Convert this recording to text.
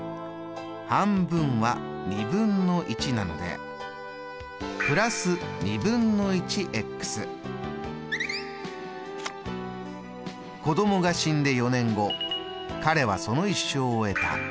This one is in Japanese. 半分はなので子どもが死んで４年後彼はその一生を終えた。